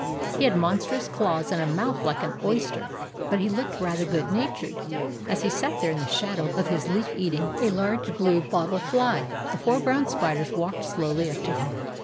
He had monstrous claws and a mouth like an oyster; but he looked rather good natured as he sat there in the shadow of his leaf eating a large blue bottle fly. The four brown spiders walked slowly up to him.